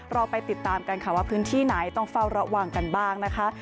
เราไปติดตามกันค่ะว่าพื้นที่ไหนต้องเฝ้าระวังกันบ้างนะคะ